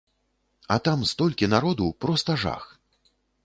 А там столькі народу, проста жах.